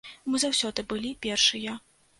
Мы заўсёды былі першыя.